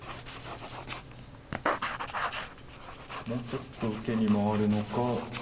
もうちょっと受けに回るのか。